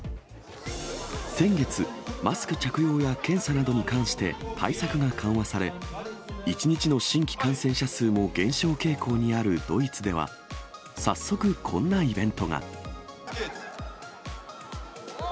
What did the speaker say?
先月、マスク着用や検査などに関して、対策が緩和され、１日の新規感染者数も減少傾向にあるドイツでは、早速、こんなイベントが。